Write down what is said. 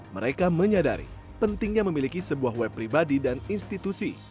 mereka menyadari pentingnya memiliki sebuah web pribadi dan institusi